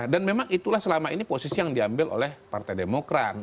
dan memang itulah selama ini posisi yang diambil oleh partai demokrat